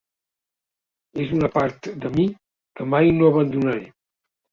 És una part de mi que mai no abandonaré.